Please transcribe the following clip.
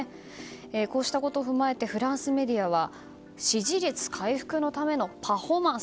こうしたことを踏まえてフランスメディアは支持率回復のためのパフォーマンス。